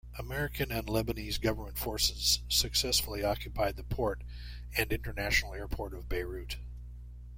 American and Lebanese government forces successfully occupied the port and international airport of Beirut.